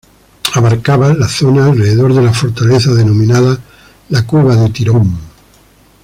Abarcaba la zona alrededor de la fortaleza denominada "La Cueva de Tirón".